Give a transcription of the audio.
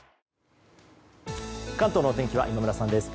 関東のお天気は今村さんです。